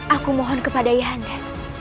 aku mohon kepada ayahanda